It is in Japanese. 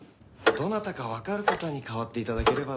どなたかわかる方に代わって頂ければと。